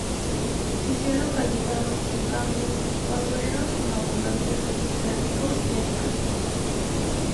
Si se ha localizado, en cambio, basureros con abundantes restos cerámicos y animales.